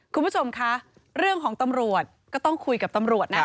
คุณผู้ชมคะเรื่องของตำรวจก็ต้องคุยกับตำรวจนะ